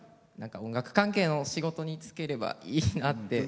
音楽関係の仕事に就ければいいなって。